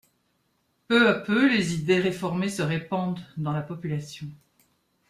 Peu à peu, les idées réformées se répandent dans la population.